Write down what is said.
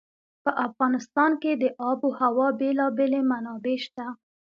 په افغانستان کې د آب وهوا بېلابېلې منابع شته.